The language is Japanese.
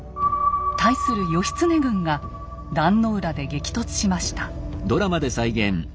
対する義経軍が壇の浦で激突しました。